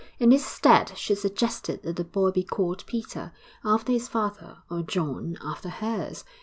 In its stead she suggested that the boy be called Peter, after his father, or John, after hers.